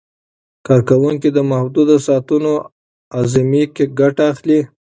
کارکوونکي د محدودو ساعتونو اعظمي ګټه اخلي.